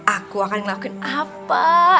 aku akan ngelakuin apa aja buat kamu